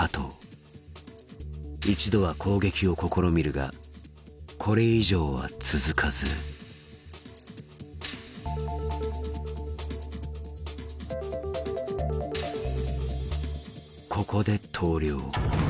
一度は攻撃を試みるがこれ以上は続かずここで投了。